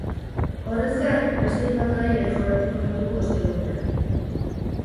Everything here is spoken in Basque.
Horrez gain, beste hainbat gai ere jorratuko ditugu ostegunean.